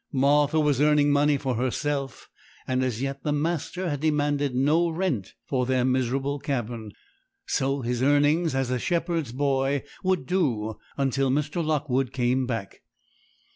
Martha was earning money for herself; and as yet the master had demanded no rent for their miserable cabin; so his earnings as a shepherd's boy would do until Mr. Lockwood came back.